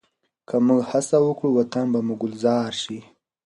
که موږ هڅه وکړو، وطن به مو ګلزار شي.